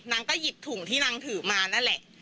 นางก็หยิบถุงที่นางถือมานั่นแหละ